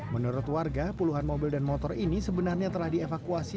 menurut warga puluhan mobil dan motor ini sebenarnya telah dievakuasi